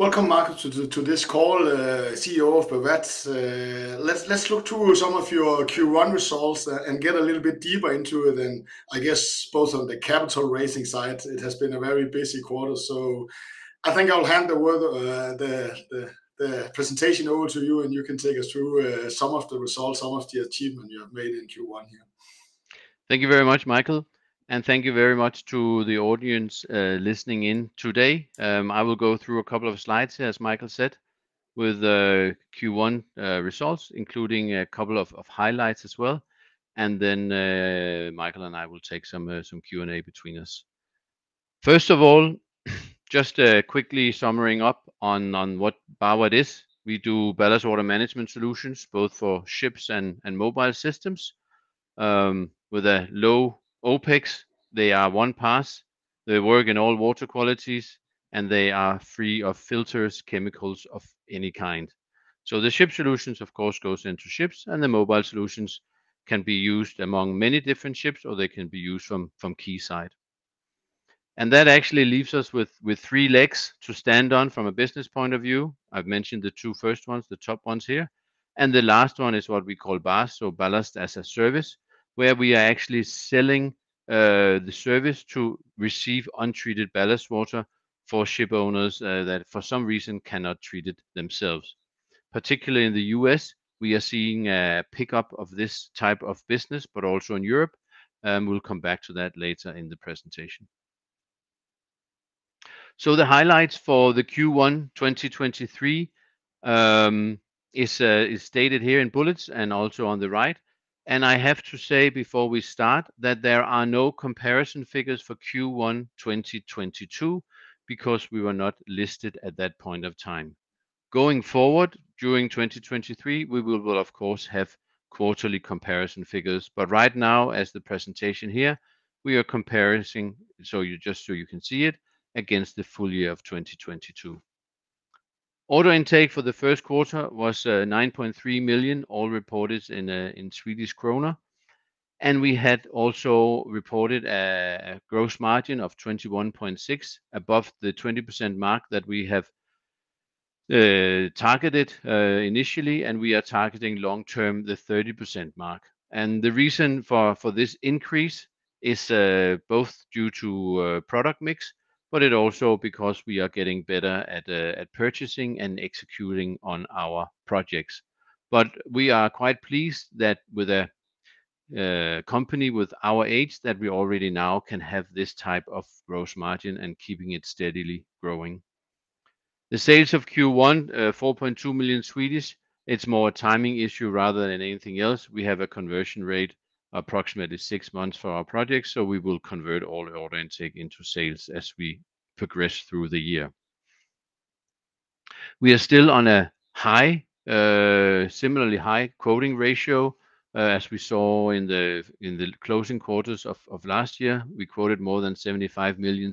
Welcome, Marcus, to this call, CEO of Bawat. Let's look through some of your Q1 results and get a little bit deeper into it, and I guess both on the capital raising side, it has been a very busy quarter. I think I'll hand over the presentation over to you, and you can take us through some of the results, some of the achievements you have made in Q1 here. Thank you very much, Michael, and thank you very much to the audience listening in today. I will go through a couple of slides, as Michael said, with the Q1 results, including a couple of highlights as well, and then Michael and I will take some Q&A between us. First of all, just quickly summarizing up on what Bawat is. We do ballast water management solutions, both for ships and mobile systems, with a low OPEX. They are one-pass, they work in all water qualities, and they are free of filters, chemicals of any kind. The ship solutions, of course, goes into ships, and the mobile solutions can be used among many different ships, or they can be used from quayside. That actually leaves us with three legs to stand on from a business point of view. I've mentioned the two first ones, the top ones here, the last one is what we call BaaS, so Ballast as a Service, where we are actually selling the service to receive untreated ballast water for ship owners that for some reason cannot treat it themselves. Particularly in the U.S., we are seeing a pickup of this type of business, but also in Europe, we'll come back to that later in the presentation. The highlights for the Q1 2023 is stated here in bullets and also on the right. I have to say before we start, that there are no comparison figures for Q1 2022, because we were not listed at that point of time. Going forward, during 2023, we will, of course, have quarterly comparison figures, but right now, as the presentation here, we are comparison, so you just so you can see it, against the full year of 2022. Order intake for the first quarter was 9.3 million, all reported in Swedish krona. We had also reported a gross margin of 21.6%, above the 20% mark that we have targeted initially, and we are targeting long-term the 30% mark. The reason for this increase is both due to product mix, but it also because we are getting better at purchasing and executing on our projects. We are quite pleased that with a company with our age, that we already now can have this type of gross margin and keeping it steadily growing. The sales of Q1, 4.2 million, it's more a timing issue rather than anything else. We have a conversion rate, approximately six months for our projects, so we will convert all order intake into sales as we progress through the year. We are still on a high, similarly high quoting ratio, as we saw in the closing quarters of last year. We quoted more than 75 million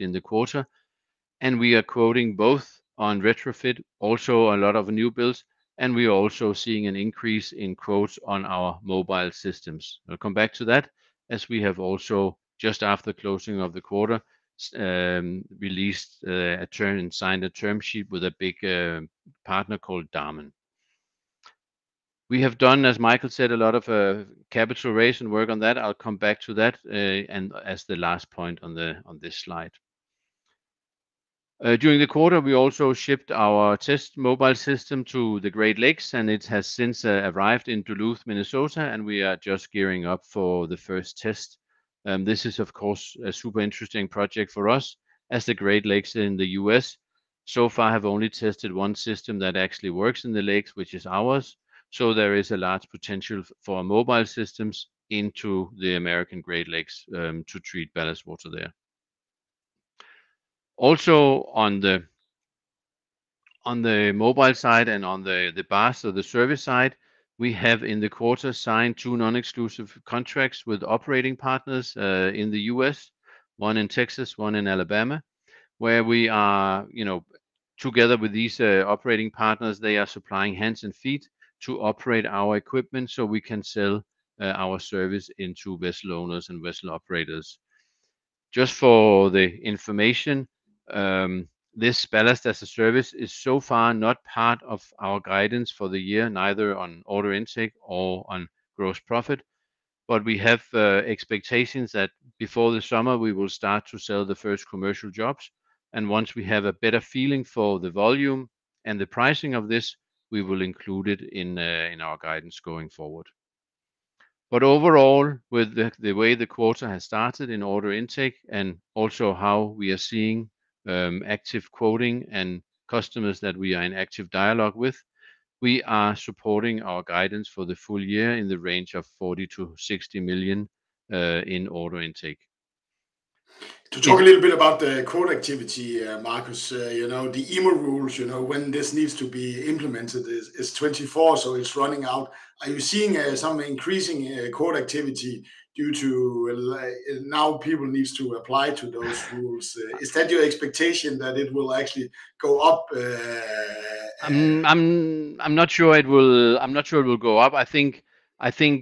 in the quarter, and we are quoting both on retrofit, also a lot of new builds, and we are also seeing an increase in quotes on our mobile systems. I'll come back to that, as we have also, just after the closing of the quarter, released a term and signed a term sheet with a big partner called Damen. We have done, as Michael said, a lot of capital raise and work on that. I'll come back to that. As the last point on this slide. During the quarter, we also shipped our test mobile system to the Great Lakes, and it has since arrived in Duluth, Minnesota, and we are just gearing up for the first test. This is of course, a super interesting project for us, as the Great Lakes in the U.S. so far have only tested one system that actually works in the lakes, which is ours. There is a large potential for mobile systems into the American Great Lakes to treat ballast water there. Also, on the mobile side and on the BaaS, so the service side, we have in the quarter signed two non-exclusive contracts with operating partners in the U.S., one in Texas, one in Alabama, where we are, you know, together with these operating partners, they are supplying hands and feet to operate our equipment so we can sell our service into vessel owners and vessel operators. Just for the information, this Ballast as a Service is so far not part of our guidance for the year, neither on order intake or on gross profit. We have expectations that before the summer, we will start to sell the first commercial jobs. Once we have a better feeling for the volume and the pricing of this, we will include it in our guidance going forward. Overall, with the way the quarter has started in order intake and also how we are seeing, active quoting and customers that we are in active dialogue with, we are supporting our guidance for the full year in the range of 40 million-60 million in order intake. To talk a little bit about the quote activity, Marcus, you know, the IMO rules, you know, when this needs to be implemented is 2024, so it's running out. Are you seeing some increasing quote activity due to now people needs to apply to those rules? Is that your expectation that it will actually go up?... I'm not sure it will, I'm not sure it will go up. I think,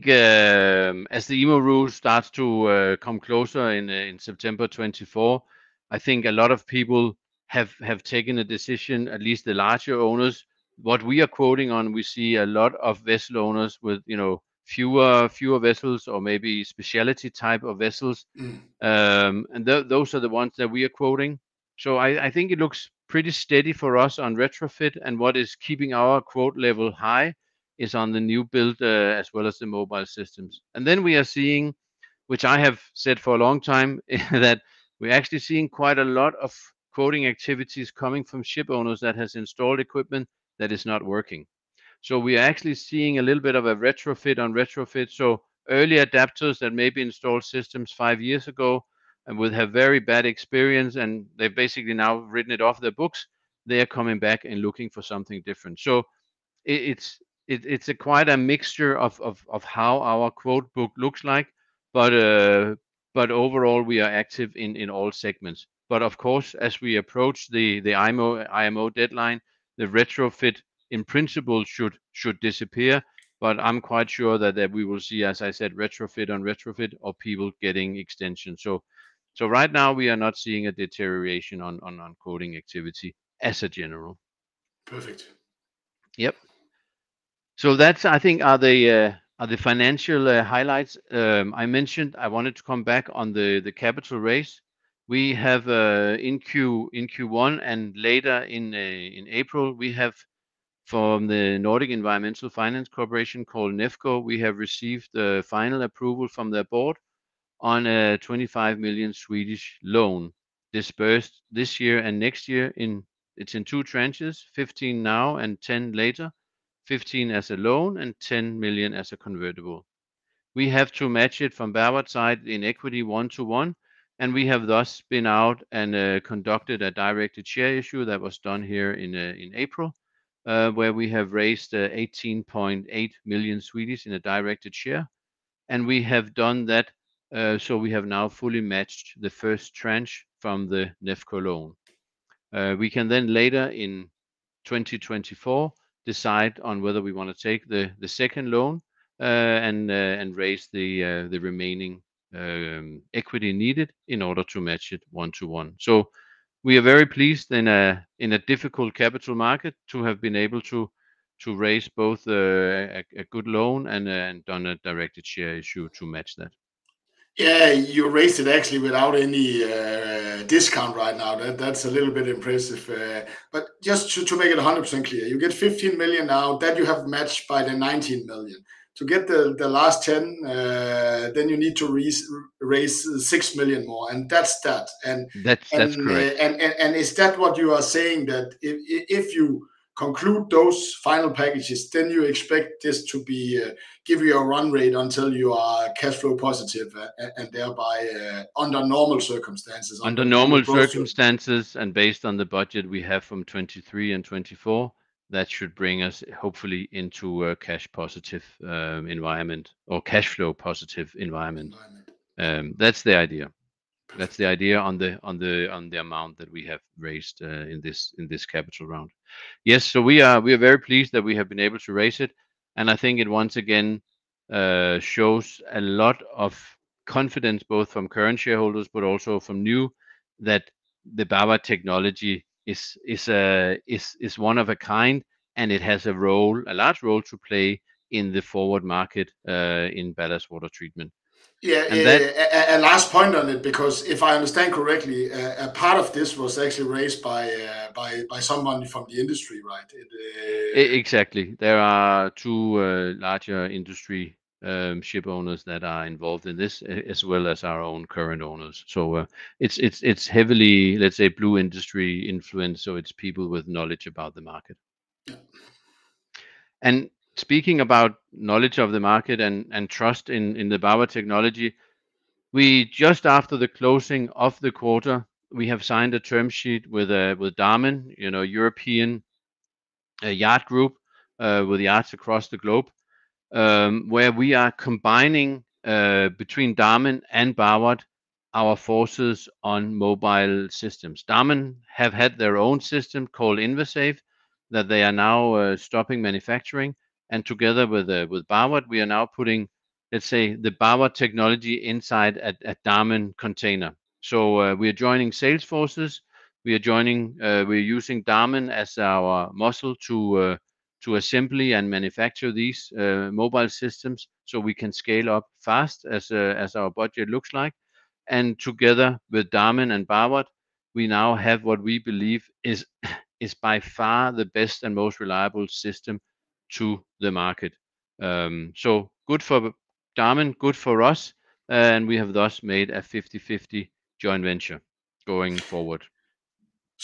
as the IMO rule starts to come closer in September 2024, I think a lot of people have taken a decision, at least the larger owners. What we are quoting on, we see a lot of vessel owners with, you know, fewer vessels or maybe specialty type of vessels. Mm. Those are the ones that we are quoting. I think it looks pretty steady for us on retrofit, and what is keeping our quote level high is on the new build, as well as the mobile systems. We are seeing, which I have said for a long time, that we're actually seeing quite a lot of quoting activities coming from ship owners that has installed equipment that is not working. We are actually seeing a little bit of a retrofit on retrofit. Early adapters that maybe installed systems five years ago and would have very bad experience, and they've basically now written it off their books, they are coming back and looking for something different. It's quite a mixture of how our quote book looks like. Overall, we are active in all segments. Of course, as we approach the IMO deadline, the retrofit in principle should disappear, but I'm quite sure that we will see, as I said, retrofit on retrofit or people getting extensions. Right now we are not seeing a deterioration on quoting activity as a general. Perfect. Yep. That's, I think, are the financial highlights. I mentioned I wanted to come back on the capital raise. We have in Q1 and later in April, we have from the Nordic Environment Finance Corporation, called Nefco, we have received the final approval from their board on a 25 million loan disbursed this year and next year. It's in two tranches, 15 now and 10 later. 15 as a loan and 10 million as a convertible. We have to match it from forward side in equity, one to one, we have thus been out and conducted a directed share issue that was done here in April, where we have raised 18.8 million in a directed share. We have done that, so we have now fully matched the first tranche from the Nefco loan. We can then later in 2024, decide on whether we want to take the second loan and raise the remaining equity needed in order to match it one to one. We are very pleased in a difficult capital market to have been able to raise both a good loan and done a directed share issue to match that. Yeah, you raised it actually without any discount right now. That's a little bit impressive. Just to make it 100% clear, you get 15 million now, then you have matched by the 19 million. To get the last 10 million, then you need to raise 6 million more, and that's that. That's correct.... Is that what you are saying, that if you conclude those final packages, then you expect this to be give you a run rate until you are cash flow positive, and thereby under normal circumstances? Under normal circumstances, and based on the budget we have from 2023 and 2024, that should bring us hopefully into a cash positive environment or cash flow positive environment. Environment. That's the idea. Perfect. That's the idea on the amount that we have raised in this capital round. We are very pleased that we have been able to raise it, and I think it once again shows a lot of confidence, both from current shareholders but also from new, that the Bawat technology is one of a kind, and it has a large role to play in the forward market in ballast water treatment. Yeah. And that- A last point on it, because if I understand correctly, a part of this was actually raised by someone from the industry, right? Exactly. There are two, larger industry, ship owners that are involved in this, as well as our own current owners. It's heavily, let's say, blue industry influenced, so it's people with knowledge about the market. Yeah. Speaking about knowledge of the market and trust in the Bawat technology, we just after the closing of the quarter, we have signed a term sheet with Damen, you know, European Yacht Group, with yachts across the globe, where we are combining between Damen and Bawat our forces on mobile systems. Damen have had their own system called InvaSave, that they are now stopping manufacturing, and together with Bawat, we are now putting, let's say, the Bawat technology inside a Damen container. We are joining sales forces. We are using Damen as our muscle to assembly and manufacture these mobile systems so we can scale up fast as our budget looks like. Together with Damen and Bawat, we now have what we believe is by far the best and most reliable system to the market. Good for Damen, good for us, and we have thus made a 50/50 joint venture going forward.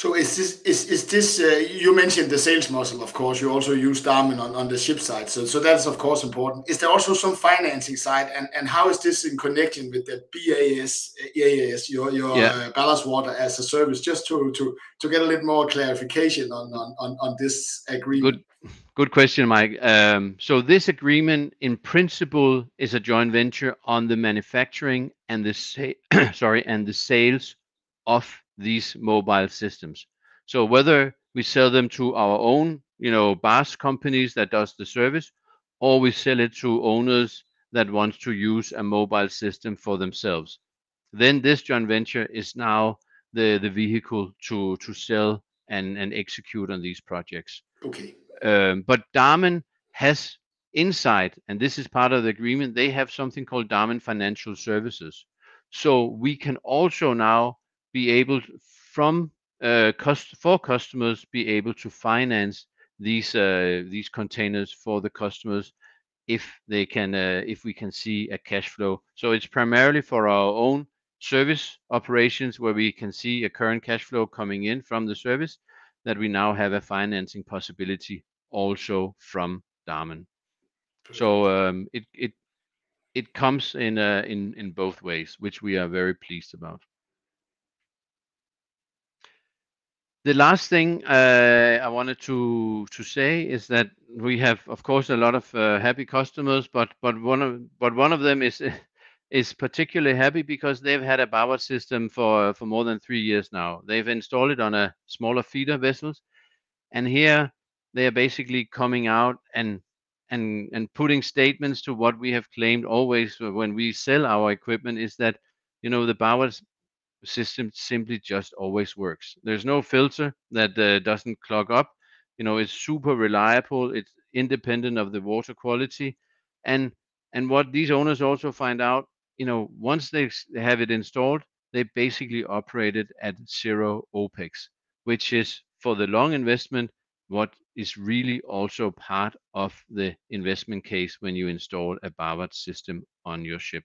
You mentioned the sales muscle, of course, you also use Damen on the ship side, so that's of course important. Is there also some financing side, and how is this in connection with the BaaS? Yeah... your Ballast as a Service, just to get a little more clarification on this agreement? Good question, Mike. This agreement, in principle, is a joint venture on the manufacturing and the sales of these mobile systems. Whether we sell them to our own, you know, BaaS companies that does the service, or we sell it to owners that want to use a mobile system for themselves, this joint venture is now the vehicle to sell and execute on these projects. Okay. Damen has inside, and this is part of the agreement, they have something called Damen Financial Services. We can also now be able from for customers, be able to finance these containers for the customers if they can, if we can see a cash flow. It's primarily for our own service operations, where we can see a current cash flow coming in from the service, that we now have a financing possibility also from Damen. Perfect. It comes in both ways, which we are very pleased about. The last thing I wanted to say is that we have, of course, a lot of happy customers, but one of them is particularly happy because they've had a Bawat system for more than three years now. They've installed it on a smaller feeder vessels, and here they are basically coming out and putting statements to what we have claimed always when we sell our equipment is that, you know, the Bawat system simply just always works. There's no filter that doesn't clog up. You know, it's super reliable, it's independent of the water quality. What these owners also find out, you know, once they have it installed, they basically operate it at zero OPEX, which is, for the long investment, what is really also part of the investment case when you install a Bawat system on your ship.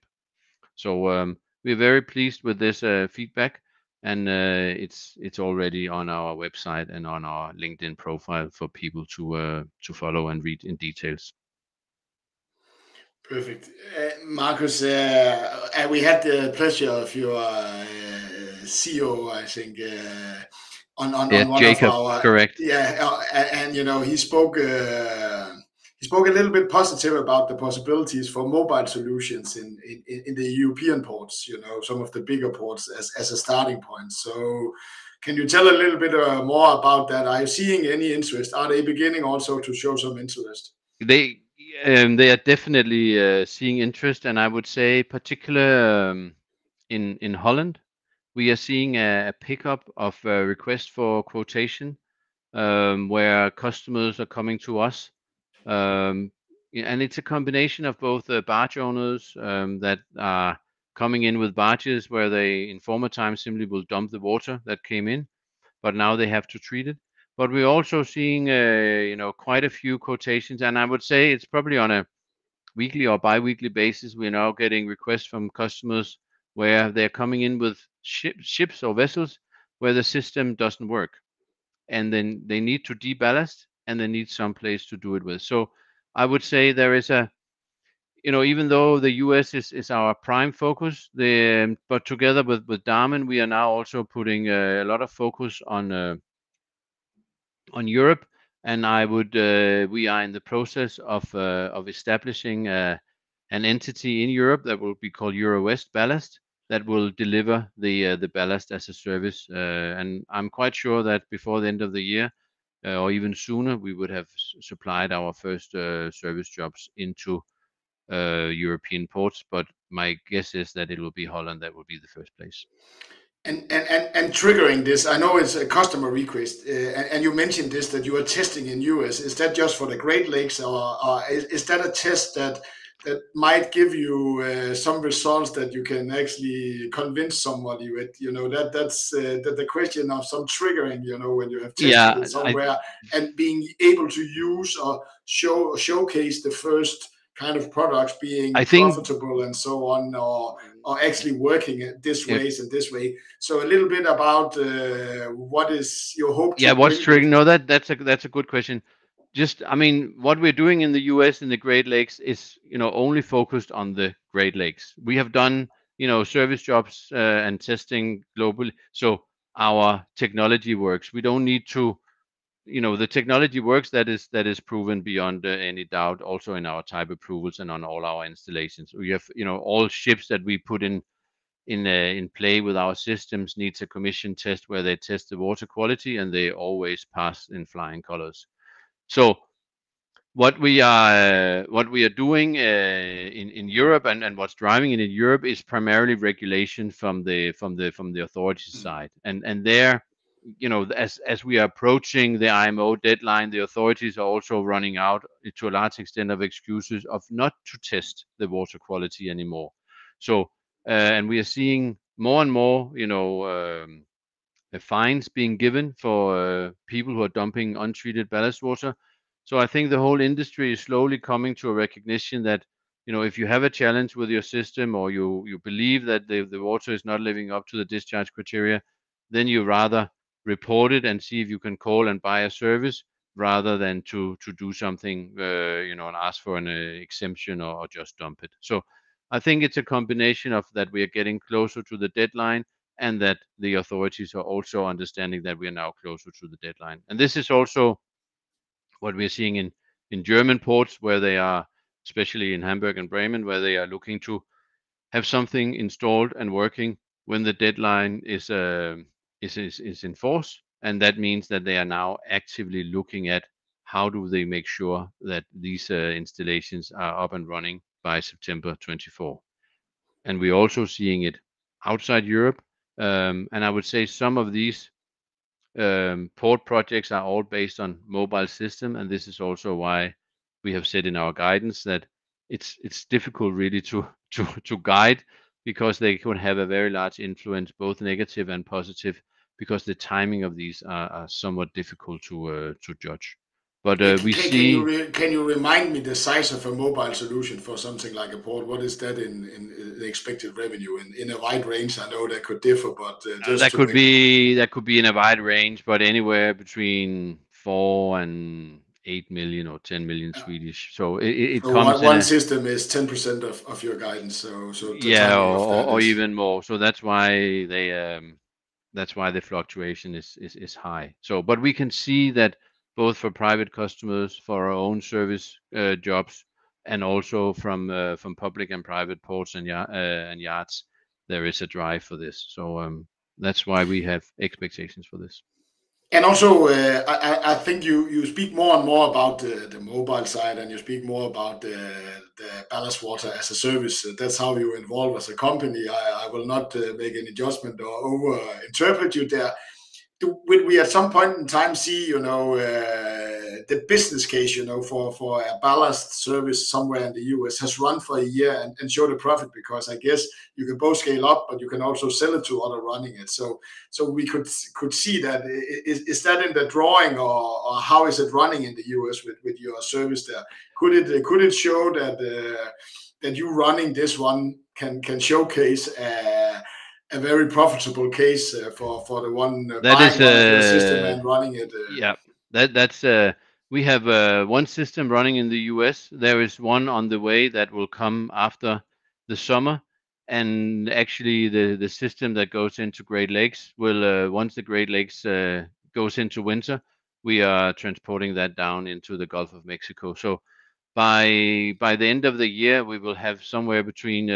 We're very pleased with this feedback, and it's already on our website and on our LinkedIn profile for people to follow and read in details. Perfect. Marcus, we had the pleasure of your CEO, I think, on one of our- Yeah, Jacob, correct. Yeah. You know, he spoke a little bit positive about the possibilities for mobile solutions in the European ports, you know, some of the bigger ports as a starting point. Can you tell a little bit more about that? Are you seeing any interest? Are they beginning also to show some interest? They, they are definitely seeing interest, and I would say particular, in Holland, we are seeing a pickup of request for quotation, where customers are coming to us. Yeah, it's a combination of both the barge owners that are coming in with barges, where they in former times simply will dump the water that came in, but now they have to treat it. We're also seeing a, you know, quite a few quotations, and I would say it's probably on a weekly or bi-weekly basis. We're now getting requests from customers where they're coming in with ships or vessels where the system doesn't work, and then they need to de-ballast, and they need someplace to do it with. I would say there is a... You know, even though the US is our prime focus, together with Damen, we are now also putting a lot of focus on Europe. We are in the process of establishing an entity in Europe that will be called Euro West Ballast, that will deliver the Ballast as a Service. I'm quite sure that before the end of the year, or even sooner, we would have supplied our first service jobs into European ports. My guess is that it will be Holland that will be the first place. Triggering this, I know it's a customer request, and you mentioned this, that you are testing in U.S. Is that just for the Great Lakes or is that a test that might give you some results that you can actually convince somebody with? You know, that's the question of some triggering, you know, when you have tested- Yeah. -somewhere, and being able to use or showcase the first kind of product being- I think- -profitable and so on, or actually working this ways and this way. Yeah. A little bit about, what is your hope? Yeah, what's triggering? No, that's a good question. Just... I mean, what we're doing in the U.S. and the Great Lakes is, you know, only focused on the Great Lakes. We have done, you know, service jobs and testing globally, so our technology works. We don't need to... You know, the technology works, that is proven beyond any doubt, also in our type approvals and on all our installations. We have, you know, all ships that we put in play with our systems needs a commission test, where they test the water quality, and they always pass in flying colors. What we are doing in Europe and what's driving it in Europe is primarily regulation from the authority side. There, you know, as we are approaching the IMO deadline, the authorities are also running out, to a large extent, of excuses of not to test the water quality anymore. We are seeing more and more, you know, fines being given for people who are dumping untreated ballast water. I think the whole industry is slowly coming to a recognition that, you know, if you have a challenge with your system, or you believe that the water is not living up to the discharge criteria, then you rather report it and see if you can call and buy a service, rather than to do something, you know, and ask for an exemption or just dump it. I think it's a combination of that we are getting closer to the deadline, and that the authorities are also understanding that we are now closer to the deadline. This is also what we're seeing in German ports, where they are, especially in Hamburg and Bremen, where they are looking to have something installed and working when the deadline is in force. That means that they are now actively looking at how do they make sure that these installations are up and running by September 2024. We're also seeing it outside Europe. I would say some of these port projects are all based on mobile system, and this is also why we have said in our guidance that it's difficult really to guide because they could have a very large influence, both negative and positive, because the timing of these are somewhat difficult to judge. Can you remind me the size of a mobile solution for something like a port? What is that in, in the expected revenue in a wide range? I know that could differ, but. That could be in a wide range, anywhere between 4 million and 8 million or 10 million. Yeah. it comes in- 1 system is 10% of your guidance, so. Or even more. That's why they... that's why the fluctuation is high. But we can see that both for private customers, for our own service jobs, and also from public and private ports and yachts, there is a drive for this. That's why we have expectations for this. Also, I think you speak more and more about the mobile side, and you speak more about the Ballast as a Service. That's how you're involved as a company. I will not make any adjustment or over-interpret you there. Will we at some point in time see, you know, the business case, you know, for a Ballast as a Service somewhere in the U.S. has run for a year and show the profit? I guess you can both scale up, but you can also sell it to other running it. We could see that. Is that in the drawing, or how is it running in the U.S. with your service there? Could it show that you running this one can showcase a very profitable case for the one- That is. buying a system and running it? Yeah. That's we have one system running in the U.S. There is one on the way that will come after the summer. Actually, the system that goes into Great Lakes will, once the Great Lakes goes into winter, we are transporting that down into the Gulf of Mexico. By the end of the year, we will have somewhere between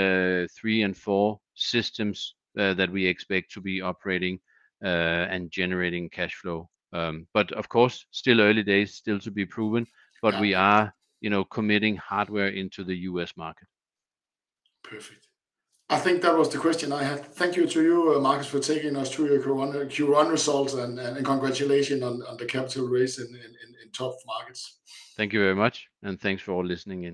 three and four systems that we expect to be operating and generating cash flow. Of course, still early days, still to be proven. Yeah We are, you know, committing hardware into the U.S. market. Perfect. I think that was the question I had. Thank you to you, Marcus, for taking us through your Q1 results, and congratulations on the capital raise in tough markets. Thank you very much, and thanks for listening in.